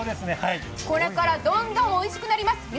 これからどんどんおいしくなりますね。